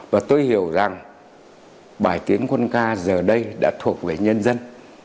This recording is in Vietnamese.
và tôi hiểu rằng bài tiến quân ca giờ đây đã thuộc về nhân dân